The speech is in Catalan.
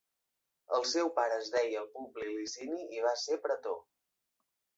El seu pare es deia Publi Licini, i va ser pretor.